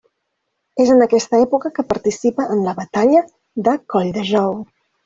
És en aquesta època que participa en la batalla de Colldejou.